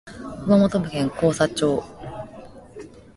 熊本県甲佐町